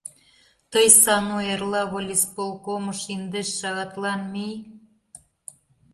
Тый, Сану, эрла волисполкомыш индеш шагатлан мий...